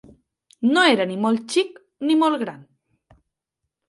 No era ni molt xic, ni molt gran